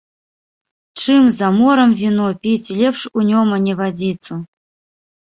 Чым за морам віно піць, лепш у Нёмане вадзіцу